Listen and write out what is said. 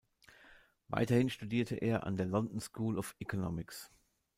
Weiterhin studierte er an der London School of Economics.